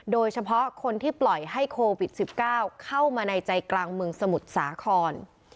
โดยเฉพาะคนที่ปล่อยให้โควิด๑๙เข้ามาในใจกลางเมืองสมุทรสาคร